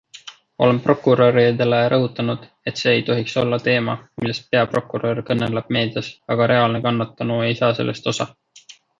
Olen prokuröridele rõhutanud, et see ei tohiks olla teema, millest peaprokurör kõneleb meedias, aga reaalne kannatanu ei saa sellest osa.